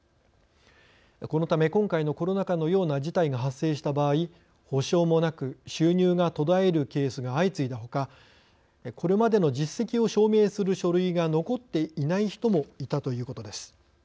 このため今回のコロナ禍のような事態が発生した場合補償もなく収入が途絶えるケースが相次いだほかこれまでの実績を証明する書類が残っていない人もいたということです。